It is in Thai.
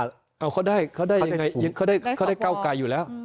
เขาได้ก้าวกลายอยู่แล้ว